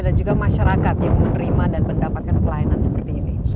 dan juga masyarakat yang menerima dan mendapatkan pelayanan seperti ini